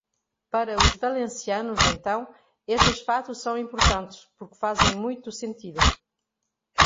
Para os valencianos, então, esses fatos são importantes porque fazem muito sentido.